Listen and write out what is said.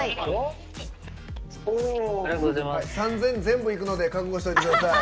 ３，０００全部いくので覚悟しといてください。